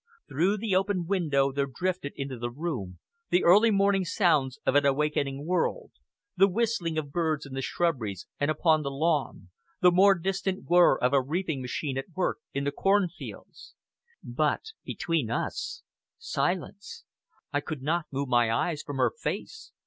Through the open window there drifted into the room the early morning sounds of an awakening world the whistling of birds in the shrubberies and upon the lawn, the more distant whir of a reaping machine at work in the cornfields. But between us silence. I could not move my eyes from her face.